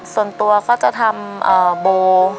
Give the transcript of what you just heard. ส่วนตัวก็จะทำโบ